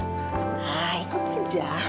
nah ikut aja